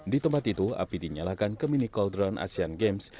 di tempat itu api dinyalakan ke mini coldron asian games